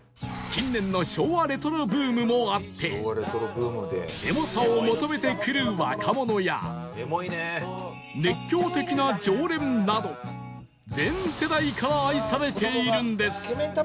近年の昭和レトロブームもあってエモさを求めてくる若者や熱狂的な常連など全世代から愛されているんです